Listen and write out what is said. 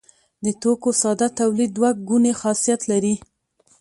د توکو ساده تولید دوه ګونی خاصیت لري.